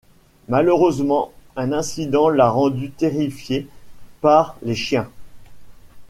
Malheureusement, un incident l'a rendue terrifiée par les chiens.